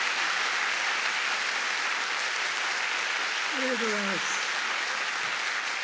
ありがとうございます。